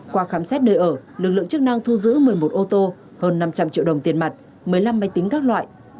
qua khám xét nơi ở lực lượng chức năng thu giữ một mươi một ô tô hơn năm trăm linh triệu đồng tiền mặt một mươi năm máy tính các loại